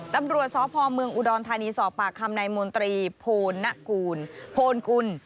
ตำรวจศพเมืองอุดรธานีสอบปากคำในมนตรีโพนกุล